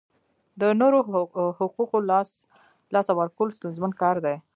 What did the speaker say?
د نورو حقوقو لاسه ورکول ستونزمن کار دی.